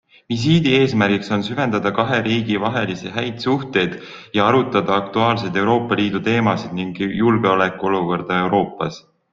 Visiidi eesmärgiks on süvendada kahe riigi vahelisi häid suhteid ja arutada aktuaalseid Euroopa Liidu teemasid ning julgeolekuolukorda Euroopas.